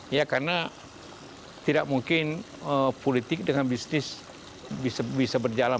ya karena tidak mungkin politik dengan bisnis bisa berjalan